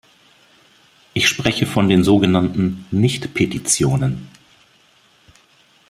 Ich spreche von den so genannten "Nicht-Petitionen".